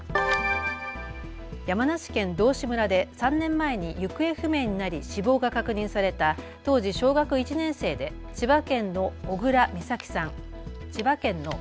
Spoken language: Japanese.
山梨県道志村で３年前に行方不明になり死亡が確認された当時小学１年生で千葉県の小倉美咲さん。